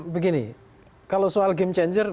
begini kalau soal game changer